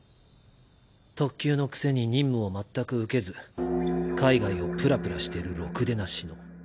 特級のくせに任務を全く受けず海外をぷらぷらしてるろくでなしの。